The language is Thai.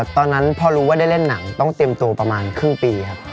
ตอนนั้นพอรู้ว่าได้เล่นหนังต้องเตรียมตัวประมาณครึ่งปีครับ